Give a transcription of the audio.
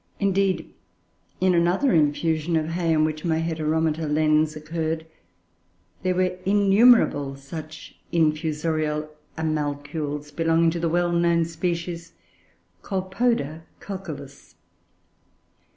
Indeed, in another infusion of hay in which my Heteromita lens occurred, there were innumerable such infusorial animalcules belonging to the well known species Colpoda cucullus.